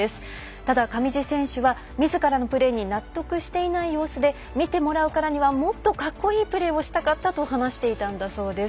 ただ、上地選手はみずからのプレーに納得していない様子で見てもらうからにはもっと格好いいプレーをしたかったと話していたんだそうです。